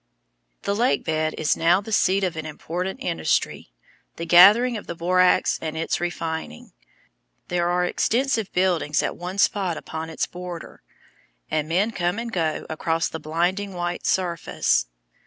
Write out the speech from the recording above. The lake bed is now the seat of an important industry the gathering of the borax and its refining. There are extensive buildings at one spot upon its border, and men come and go across the blinding white surface.